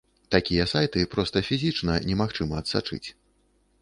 Такія сайты проста фізычна немагчыма адсачыць.